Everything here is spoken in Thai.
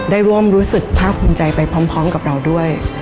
ได้ร่วมรู้สึกภาคภูมิใจไปพร้อมกับเราด้วย